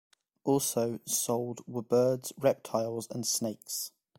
Also sold were birds, reptiles, and snakes.